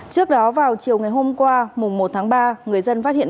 trước đó vào chiều ngày hôm qua mùng một tháng ba người dân phát hiện